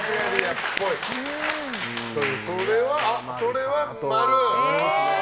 それは〇。